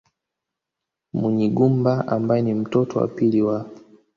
Munyigumba ambaye ni mtoto wa pili wa